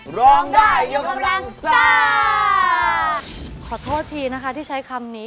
ขอโทษทีนะคะที่ใช้คำนี้